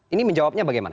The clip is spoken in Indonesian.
ini menjawabnya bagaimana